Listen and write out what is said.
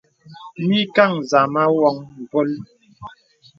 Mìkàŋ zàmā wōŋ mbòl.